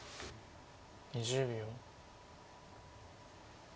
２０秒。